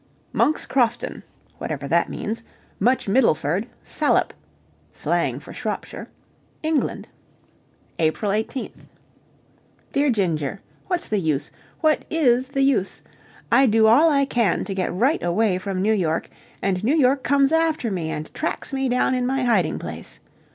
Monk's Crofton, (whatever that means) Much Middleford, Salop, (slang for Shropshire) England. April 18th. Dear Ginger, What's the use? What is the use? I do all I can to get right away from New York, and New York comes after me and tracks me down in my hiding place.